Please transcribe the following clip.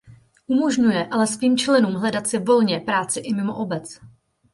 Umožňuje ale svým členům hledat si volně práci i mimo obec.